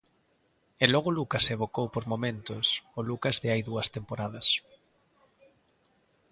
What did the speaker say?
E logo Lucas evocou por momentos o Lucas de hai dúas temporadas.